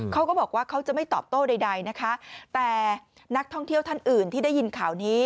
เขาก็บอกว่าเขาจะไม่ตอบโต้ใดนะคะแต่นักท่องเที่ยวท่านอื่นที่ได้ยินข่าวนี้